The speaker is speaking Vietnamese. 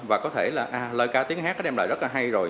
và có thể là lời ca tiếng hát nó đem lại rất là hay rồi